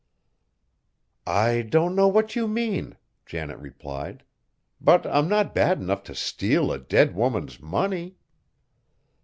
"I don't know what you mean," Janet replied, "but I'm not bad enough to steal a dead woman's money."